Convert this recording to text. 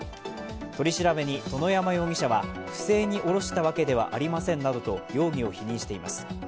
取り調べに殿山容疑者は不正に下ろしたわけではありませんと容疑を否認しています。